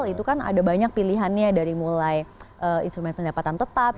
itu kan ada banyak pilihannya dari mulai instrumen pendapatan tetap